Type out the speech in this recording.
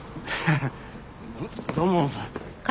ハハハ土門さん。